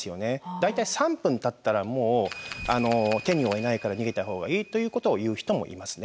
大体３分たったらもう手に負えないから逃げた方がいいということを言う人もいますね。